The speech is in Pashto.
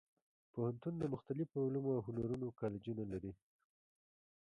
پوهنتون د مختلفو علومو او هنرونو کالجونه لري.